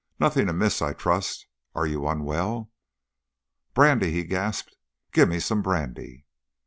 "Nothing amiss, I trust? Are you unwell?" "Brandy!" he gasped. "Give me some brandy!"